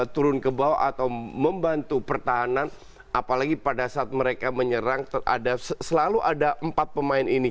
turun ke bawah atau membantu pertahanan apalagi pada saat mereka menyerang selalu ada empat pemain ini